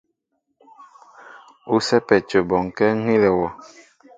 U sɛ́pɛ́ a cə bɔnkɛ́ ŋ́ hílɛ wɔ.